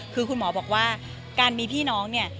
คือคุณหมอบอกว่าการมีพี่น้องเนี่ย